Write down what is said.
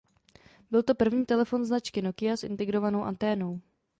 Byl to první telefon značky Nokia s integrovanou anténou.